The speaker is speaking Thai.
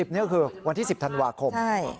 นี่ก็คือวันที่๑๐ธันวาคม